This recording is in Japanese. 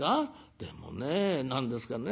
でもね何ですかね